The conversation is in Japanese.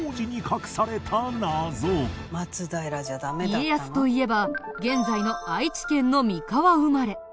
家康といえば現在の愛知県の三河生まれ。